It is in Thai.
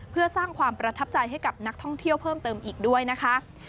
เพื่อสร้างความประทับใจให้กับนักท่องเที่ยวเพิ่มเติมอีกด้วยนะคะ